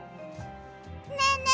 ねえねえ